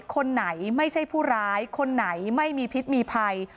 คนไหนไม่ใช่ผู้ร้ายคนไหนไม่มีพิษมีภัย